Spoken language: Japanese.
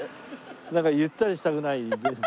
なんかゆったりしたくない？ベンチで。